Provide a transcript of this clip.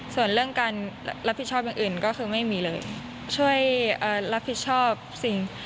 ส่วนเรื่องการรับผิดชอบอย่างอื่นก็คือไม่มีเลยช่วยรับผิดชอบสิ่ง